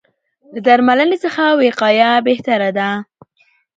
له درملنې څخه وقایه بهتره ده.